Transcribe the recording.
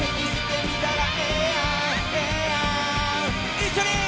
一緒に！